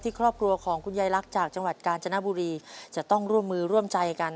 ครอบครัวของคุณยายลักษณ์จากจังหวัดกาญจนบุรีจะต้องร่วมมือร่วมใจกัน